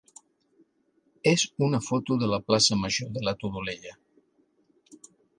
és una foto de la plaça major de la Todolella.